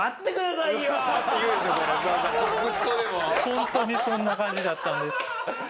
ホントにそんな感じだったんです。